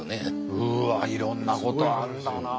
うわいろんなことがあるんだな。